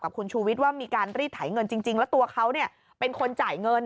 คุณชูวิทย์ว่ามีการรีดไถเงินจริงแล้วตัวเขาเป็นคนจ่ายเงิน